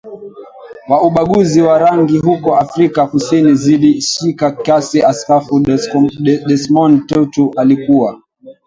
wa ubaguzi wa rangi huko Afrika Kusini zili shika kasi Askofu Desmond Tutu alikuwa